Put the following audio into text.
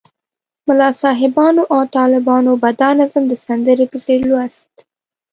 ملا صاحبانو او طالبانو به دا نظم د سندرې په څېر لوست.